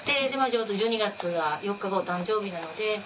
ちょうど１２月が４日がお誕生日なので。